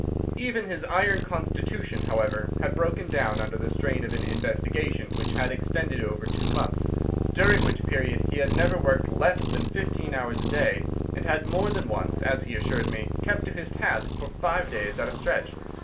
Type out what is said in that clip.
Even his iron constitution, however, had broken down under the strain of an investigation which had extended over two months, during which period he had never worked less than fifteen hours a day, and had more than once, as he assured me, kept to his task for five days at a stretch.